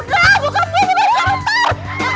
kak bokap gue bukan karakter